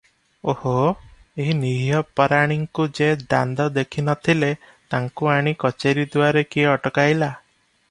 ଓହୋ! ଏହି ନିରୀହ ପରାଣୀଙ୍କୁ ଯେ ଦାଣ୍ଡ ଦେଖି ନଥିଲେ, ତାଙ୍କୁ ଆଣି କଚେରୀ ଦୁଆରେ କିଏ ଅଟକାଇଲା?